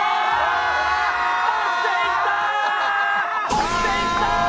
落ちていったー！